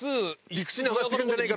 陸地に上がってくんじゃねえか。